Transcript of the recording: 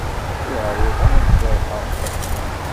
Ur ɛriḍeɣ ad jerḥeɣ ḥedd.